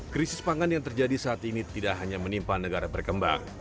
krisis pangan yang terjadi saat ini tidak hanya menimpa negara berkembang